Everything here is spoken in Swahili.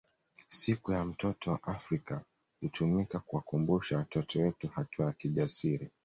Siku ya mtoto wa Afrika hutumika kuwakumbusha watoto wetu hatua ya kijasiri